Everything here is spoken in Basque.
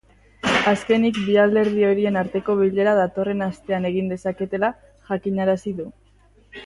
Azkenik, bi alderdi horien arteko bilera datorren astean egin dezaketela jakinarazi du.